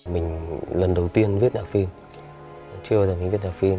mình lần đầu tiên viết nhạc phim chưa bao giờ mình viết thạ phim